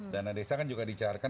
dana desa kan juga dicairkan